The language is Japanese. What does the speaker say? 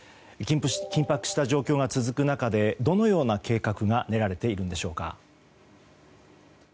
緊迫した状況が続く中でどのような計画が練られているのでしょうか。